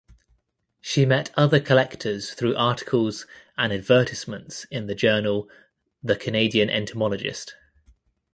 She met other collectors through articles and advertisements in the journal "The Canadian Entomologist".